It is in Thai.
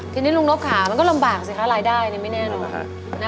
ทีนี้ลุงนบค่ะมันก็ลำบากสิคะรายได้ไม่แน่นอน